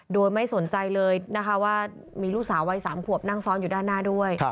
โดยไม่สนใจเลยนะคะว่ามีลูกสาววัย๓ขวบนั่งซ้อนอยู่ด้านหน้าด้วย